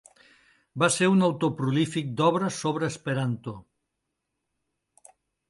Va ser un autor prolífic d'obres sobre esperanto.